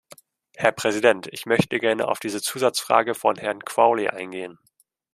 Herr Präsident! Ich möchte gerne auf diese Zusatzfrage von Herrn Crowley eingehen.